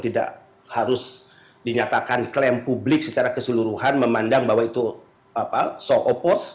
tidak harus dinyatakan klaim publik secara keseluruhan memandang bahwa itu show of post